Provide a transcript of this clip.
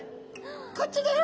「こっちだよ」。